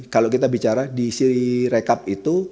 kalau kita bicara di siri rekap itu